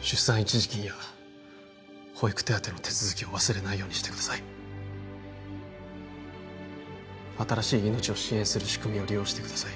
出産一時金や保育手当の手続きを忘れないようにしてください新しい命を支援する仕組みを利用してください